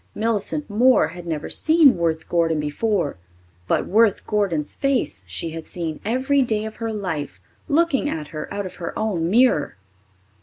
Millicent Moore had never seen Worth Gordon before, but Worth Gordon's face she had seen every day of her life, looking at her out of her own mirror!